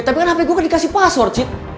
ya tapi kan hape gue kan dikasih password cit